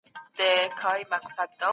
په پرمختګ کي نورو عواملو ته هم پام وکړئ.